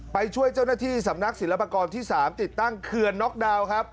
ไปช่วยเจ้าหน้าที่สำนักศิลปากรที่๓ติดตั้งเขื่อนน็อกดาวน์ครับ